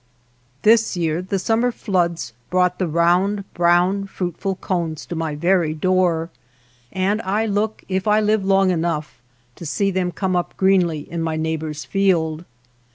This year the summer floods brought the round, brown, fruitful cones to my very door, and . I look, if I live long enough, to see them come up greenly in my neighbor's field.